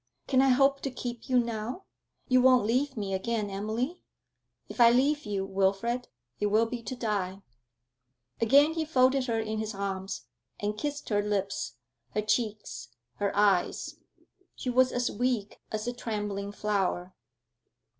'Can I hope to keep you now? You won't leave me again, Emily?' 'If I leave you, Wilfrid, it will be to die.' Again he folded her in his arms, and kissed her lips, her cheeks, her eyes. She was as weak as a trembling flower.